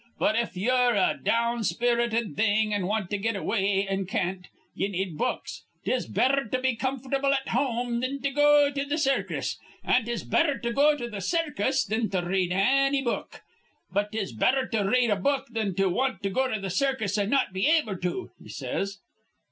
'But if ye're a down spirited thing an' want to get away an' can't, ye need books. 'Tis betther to be comfortable at home thin to go to th' circus, an' 'tis betther to go to th' circus thin to r read anny book. But 'tis betther to r read a book thin to want to go to th' circus an' not be able to,' he says.